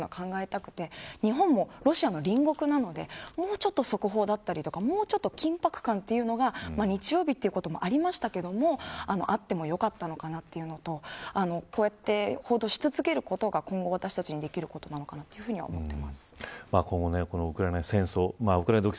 もののもう一つメディアの在り方というのは考えたくて日本も、ロシアの隣国なのでもうちょっと速報だったりとかもうちょっと緊迫感が日曜日ということもありましたがあってもよかったのかなというのとこうやって報道し続けることが今後、私たちにできることなのかなと思っています。